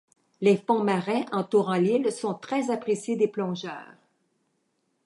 Les fonds marins entourant l'île sont très appréciés des plongeurs.